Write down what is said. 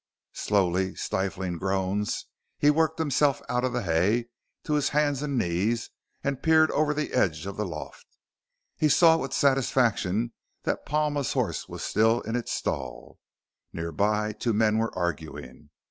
Slowly, stifling groans, he worked himself out of the hay to his hands and knees and peered over the edge of the loft. He saw with satisfaction that Palma's horse was still in its stall. Nearby, two men were arguing.